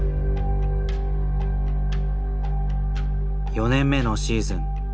４年目のシーズン。